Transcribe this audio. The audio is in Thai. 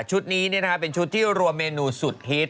ชุดนี้เนี่ยนะครับเป็นชุดที่รวมเมนูสุดฮิต